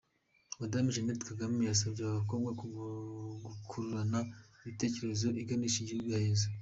Madame Jeannette Kagame yasabye aba bakobwa gukurana imitekerereze iganisha igihugu aheza.